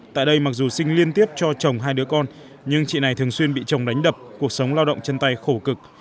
tại đây mặc dù sinh liên tiếp cho chồng hai đứa con nhưng chị này thường xuyên bị chồng đánh đập cuộc sống lao động chân tay khổ cực